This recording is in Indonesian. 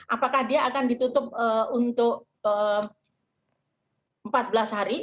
apakah dia akan ditutup untuk empat belas hari